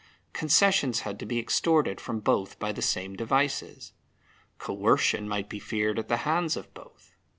Concessions had to be extorted from both by the same devices; Coercion might be feared at the hands of both.